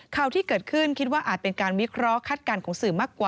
ข่าวที่เกิดขึ้นคิดว่าอาจเป็นการวิเคราะห์คาดการณ์ของสื่อมากกว่า